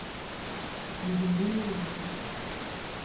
You go really like am